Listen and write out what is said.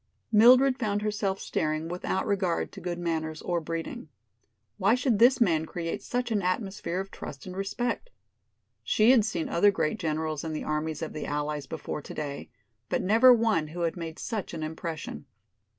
Mildred found herself staring without regard to good manners or breeding. Why should this man create such an atmosphere of trust and respect? She had seen other great generals in the armies of the Allies before today, but never one who had made such an impression.